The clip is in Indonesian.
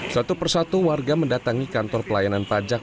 satu persatu warga mendatangi kantor pelayanan pajak